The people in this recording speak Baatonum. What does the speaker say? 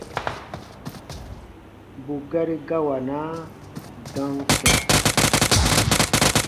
Bù gari gawanaa dam kɛ̃.